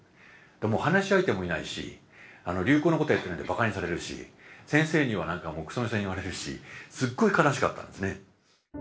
もう話し相手もいないし流行のことやってないとばかにされるし先生にはもうクソミソに言われるしすっごい悲しかったんですね。